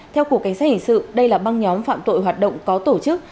theo cục cảnh sát hình sự đây là băng nhóm phạm tội hoạt động có tổ chức